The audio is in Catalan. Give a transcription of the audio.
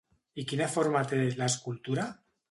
I quina forma té, l'escultura?